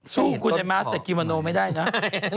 ลูกกูเนี้ยมาสเต็กยีมาโน่นไม่ได้นะคะ